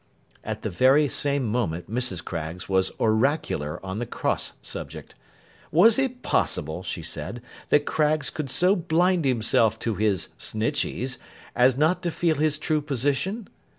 At the very same moment Mrs. Craggs was oracular on the cross subject. Was it possible, she said, that Craggs could so blind himself to his Snitcheys, as not to feel his true position?